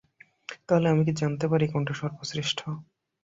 তাহলে, আমি কি জানতে পারি, কোনটা সর্বশ্রেষ্ঠ?